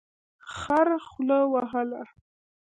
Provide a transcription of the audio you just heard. خر خوله وهله.